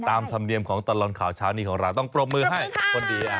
ธรรมเนียมของตลอดข่าวเช้านี้ของเราต้องปรบมือให้คนเดียว